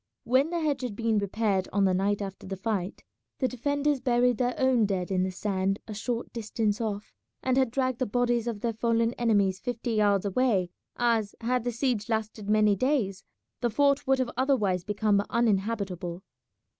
When the hedge had been repaired on the night after the fight the defenders buried their own dead in the sand a short distance off, and had dragged the bodies of their fallen enemies fifty yards away, as, had the siege lasted many days, the fort would have otherwise become uninhabitable.